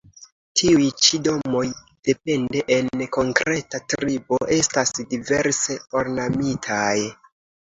Tiuj ĉi domoj, depende en konkreta tribo, estas diverse ornamitaj.